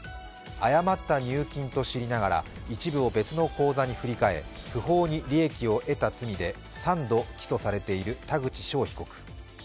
誤った入金と知りながら一部を別の口座に振り替え不法に利益を得た罪で３度起訴されている田口翔被告。